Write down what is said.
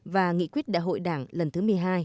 và nghị quyết đại hội đảng lần thứ một mươi hai